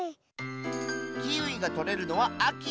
キウイがとれるのはあき。